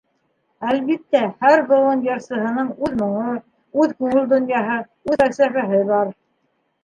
Әлбиттә, һәр быуын йырсыһының үҙ моңо, үҙ күңел донъяһы, үҙ фәлсәфәһе бар.